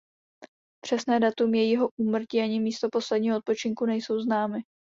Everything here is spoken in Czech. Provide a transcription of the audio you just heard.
Přesné datum jejího úmrtí ani místo posledního odpočinku nejsou známy.